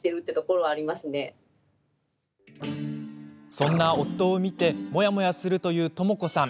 そんな夫を見てモヤモヤするという、ともこさん。